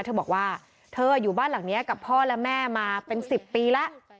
เธอบอกว่าเธออยู่บ้านหลังนี้กับพ่อและแม่มาเป็น๑๐ปีแล้ว